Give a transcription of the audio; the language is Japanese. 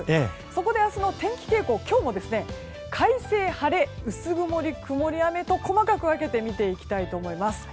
そこで、明日の天気傾向を今日も快晴、晴れ薄曇り、曇り、雨と細かく分けて見ていきたいと思います。